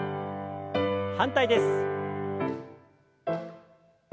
反対です。